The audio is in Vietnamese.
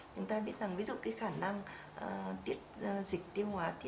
chúng ta biết rằng ví dụ cái khả năng dịch tiêu hóa